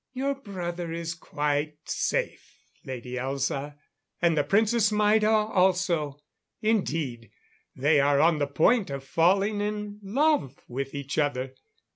"Your brother is quite safe, Lady Elza. And the Princess Maida also. Indeed, they are on the point of falling in love with each other.